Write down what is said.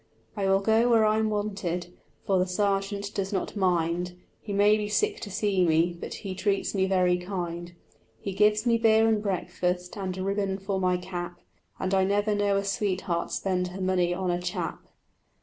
"I will go where I am wanted, for the sergeant does not mind; He may be sick to see me but he treats me very kind: He gives me beer and breakfast and a ribbon for my cap, And I never knew a sweetheart spend her money on a chap."